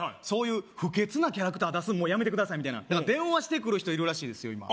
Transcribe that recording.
「そういう不潔なキャラクター出すのもうやめてください」みたいな電話してくる人いるらしいですよ